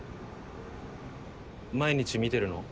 毎日見てるの？